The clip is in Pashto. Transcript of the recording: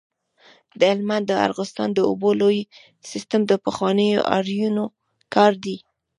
د هلمند د ارغستان د اوبو لوی سیستم د پخوانیو آرینو کار دی